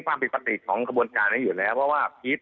ความผิดปกติของกระบวนการนี้อยู่แล้วเพราะว่าพีช